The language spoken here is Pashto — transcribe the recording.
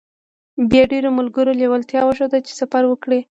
بيا ډېرو ملګرو لېوالتيا وښوده چې سفر وکړي.